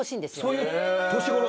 そういう年ごろ？